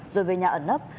rồi về nhà ẩn nấp